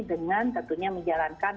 dengan tentunya menjalankan